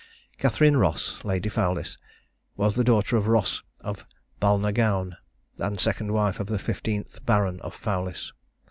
Catherine Ross, Lady Fowlis, was the daughter of Ross of Balnagown, and second wife of the fifteenth Baron of Fowlis.